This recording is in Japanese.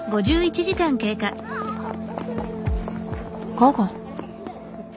午後。